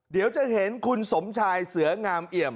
เดี๋ยวจะเห็นคุณสมชายเสืองามเอี่ยม